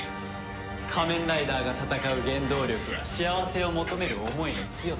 仮面ライダーが戦う原動力は幸せを求める思いの強さだ。